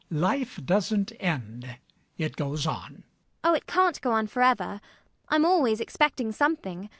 Life doesn't end: it goes on. ELLIE. Oh, it can't go on forever. I'm always expecting something.